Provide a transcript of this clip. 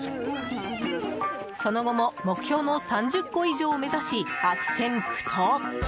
その後も、目標の３０個以上を目指し、悪戦苦闘。